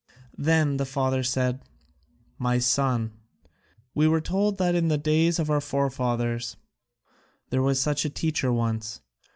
Then the father said, "My son, we are told that in the days of our forefathers there was such a teacher once.